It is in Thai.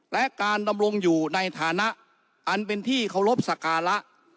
และการดำรงอยู่ในฐานะอันเป็นที่เคารพสักการะ